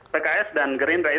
pks dan gerindra itu